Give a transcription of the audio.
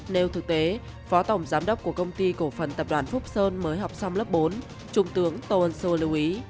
nếu thực tế phó tổng giám đốc của công ty cổ phần tập đoàn phúc sơn mới học xong lớp bốn trung tướng tô ân sô lưu ý